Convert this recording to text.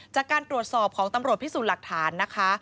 จากการตรวจสอบของตำรวจพิสูจน์หลักฐานนะคะ